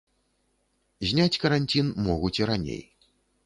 Зняць каранцін могуць і раней.